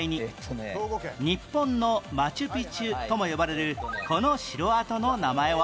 「日本のマチュピチュ」とも呼ばれるこの城跡の名前は？